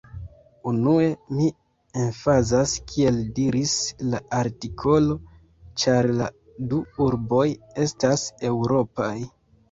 Unue, mi emfazas, kiel diris la artikolo, ĉar la du urboj estas eŭropaj.